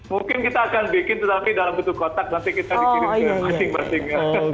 mungkin kita akan bikin tetapi dalam bentuk kotak nanti kita dikirim ke masing masing